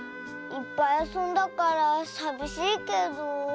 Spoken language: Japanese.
いっぱいあそんだからさびしいけど。